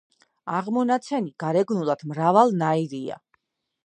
აღმონაცენი გარეგნულად მრავალნაირია.